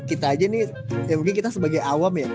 kita aja nih ya mungkin kita sebagai awam ya